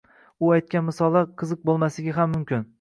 U aytgan misollar qiziq boʻlmasligi ham mumkin